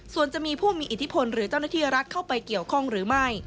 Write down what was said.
ส่วนจะมีผู้มีอิทธิพลหรือเจ้าหน้าที่รัฐเข้าไปเกี่ยวข้องหรือไม่